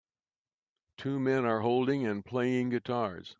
Two men are holding and playing guitars.